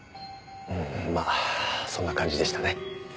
うんまあそんな感じでしたね。